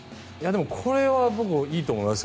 これは僕いいと思います。